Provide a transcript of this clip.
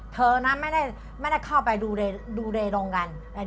เธอนะไม่ได้เข้าไปดูแลโรงกัน